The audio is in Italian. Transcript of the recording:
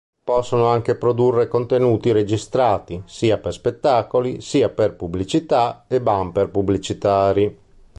Possono anche produrre contenuti registrati, sia per spettacoli sia per pubblicità e bumper pubblicitari.